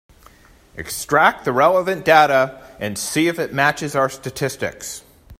Extract the relevant data and see if it matches our statistics.